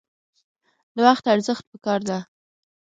د وخت ارزښت پکار دی